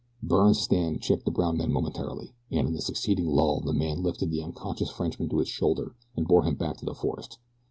Byrne's stand checked the brown men momentarily, and in the succeeding lull the man lifted the unconscious Frenchman to his shoulder and bore him back to the forest.